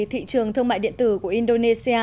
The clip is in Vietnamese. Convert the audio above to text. thị trường thương mại điện tử của indonesia